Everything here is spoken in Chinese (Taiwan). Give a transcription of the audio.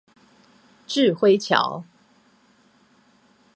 稚暉橋